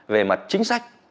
về mặt chính sách